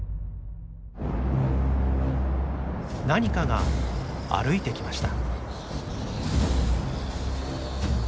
何かが歩いてきました。